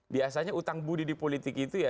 biasanya utang budi di politik itu ya